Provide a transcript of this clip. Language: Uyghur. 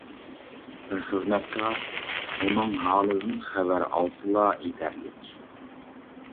بىر خىزمەتكار ئۇنىڭ ھالىدىن خەۋەر ئالسىلا يېتەرلىك.